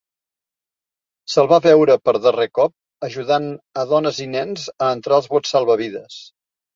Se'l va veure per darrer cop ajudant a dones i nens a entrar als bots salvavides.